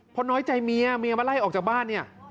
เพราะน้อยใจเมียเมียมาไล่ออกจากบ้านเนี่ย